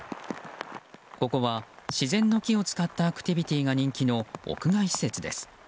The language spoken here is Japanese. ここは自然の木を使ったアクティビティーが人気の屋外施設です。